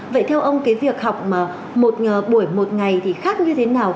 buổi một ngày thì khác như thế nào